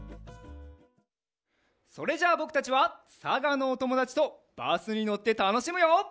それじゃあぼくたちはさがのおともだちとバスにのってたのしむよ！